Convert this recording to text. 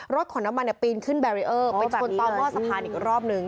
รถขนน้ำมันเนี่ยปีนขึ้นเป็นต้องเวาะสะพานอีกรอบหนึ่ง